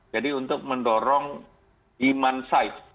jadi untuk mendorong demand side